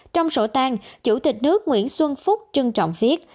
trong sổ tang chủ tịch nước nguyễn xuân phúc trân trọng viết